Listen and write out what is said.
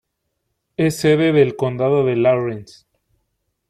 Es sede del condado de Lawrence.